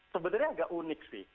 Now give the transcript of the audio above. sebenarnya agak unik sih